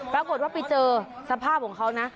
ปรากฏว่าไปเจอสภาพของเขานะ